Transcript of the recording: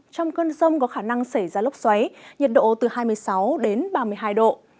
trong cơn rông có khả năng xảy ra lốc xoáy nhiệt độ từ hai mươi sáu đến ba mươi hai độ